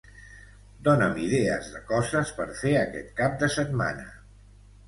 Dona'm idees de coses per fer aquest cap de setmana.